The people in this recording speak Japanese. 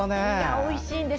おいしいんです。